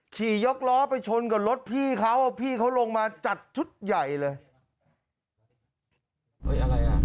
ขี่ยกล้อไปชนกับรถพี่เขาพี่เขาลงมาจัดชุดใหญ่เลยอะไรอ่ะ